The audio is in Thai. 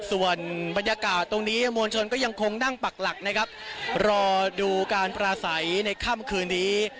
ส่วนบรรยากาศตรงนี้มวลชนก็ยังคงนั่งปักหลักนะครับรอดูการปราศัยในค่ำคืนนี้